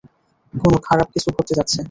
কোনও খারাপ কিছু ঘটতে যাচ্ছে!